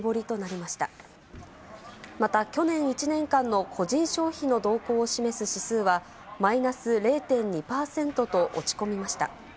また去年１年間の個人消費の動向を示す指数は、マイナス０．２％と落ち込みました。